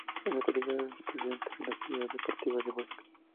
En la actualidad es el presidente de la Sociedad Deportiva Huesca.